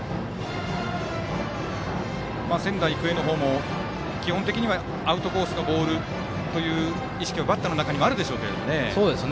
仙台育英も基本的にはアウトコースのボールという意識がバッターの中にもあると思いますが。